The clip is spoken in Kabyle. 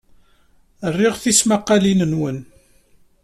Riɣ tismaqqalin-nwen.